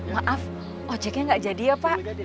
maaf ojeknya nggak jadi ya pak